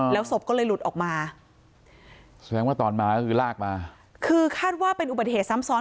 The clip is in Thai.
ศพก็เลยหลุดออกมาแสดงว่าตอนมาก็คือลากมาคือคาดว่าเป็นอุบัติเหตุซ้ำซ้อน